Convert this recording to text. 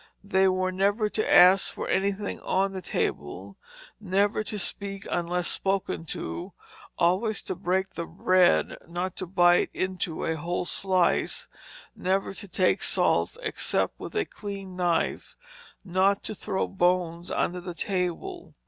They were never to ask for anything on the table; never to speak unless spoken to; always to break the bread, not to bite into a whole slice; never to take salt except with a clean knife; not to throw bones under the table.